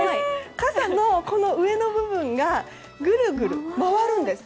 傘の上の部分がぐるぐる回るんです。